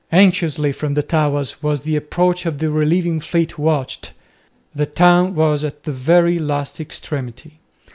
Anxiously from the towers was the approach of the relieving fleet watched. The town was at the very last extremity.